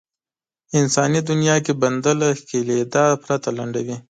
انساني دنيا کې بنده له ښکېلېدا پرته لنډوي.